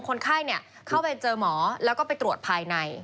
คนไข้เข้าไปเจอหมอแล้วก็ไปตรวจภายใน